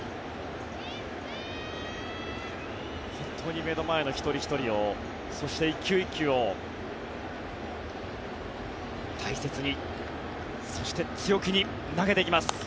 本当に目の前の一人ひとりをそして１球１球を大切にそして、強気に投げていきます。